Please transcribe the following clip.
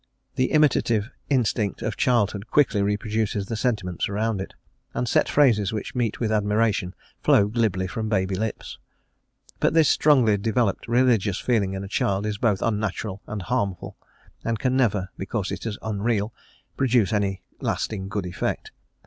The imitative instinct of childhood quickly reproduces the sentiments around it, and set phrases which meet with admiration flow glibly from baby lips. But this strongly developed religious feeling in a child is both unnatural and harmful, and can never, because it is unreal, produce any lasting good effect.